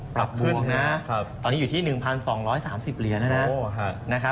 ปรับขึ้นนะตอนนี้อยู่ที่๑๒๓๐เหรียญแล้วนะ